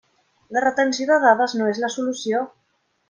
La retenció de dades no és la solució!